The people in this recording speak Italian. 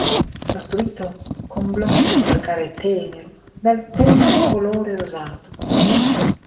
Costruito con blocchi di calcare tenero, dal tenue colore rosato.